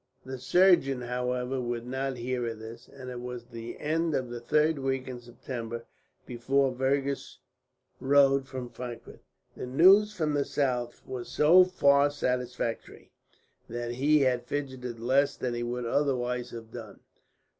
The surgeon, however, would not hear of this; and it was the end of the third week in September before Fergus rode from Frankfort. The news from the south was so far satisfactory that he had fidgeted less than he would otherwise have done.